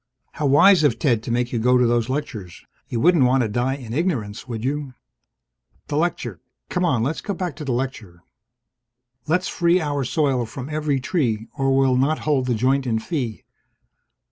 (How wise of Ted to make you go to those lectures! You wouldn't want to die in ignorance, would you?) The lecture come on, let's go back to the lecture! Let's free our soil from every tree or we'll not hold the joint in fee.